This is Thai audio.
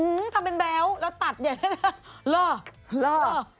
อื้มทำเป็นแบบเราตัดอย่างนั้น